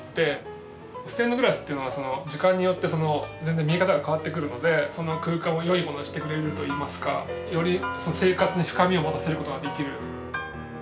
ステンドグラスというのは時間によって全然見え方が変わってくるのでその空間を良いものにしてくれるといいますかより生活に深みを持たせることができる。